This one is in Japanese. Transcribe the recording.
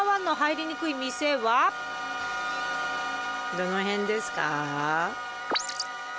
どの辺ですか？